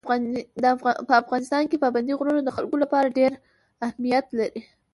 په افغانستان کې پابندي غرونه د خلکو لپاره ډېر اهمیت لري.